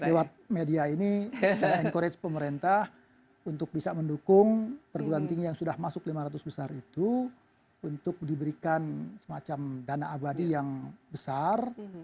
lewat media ini saya encourage pemerintah untuk bisa mendukung perguruan tinggi yang sudah masuk lima ratus besar itu untuk diberikan semacam dana abadi yang besar